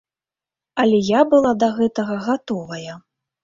Але я была да гэтага гатовая.